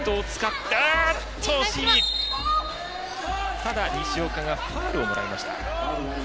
ただ、西岡がファウルをもらいました。